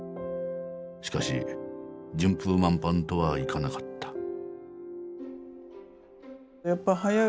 しかし順風満帆とはいかなかった。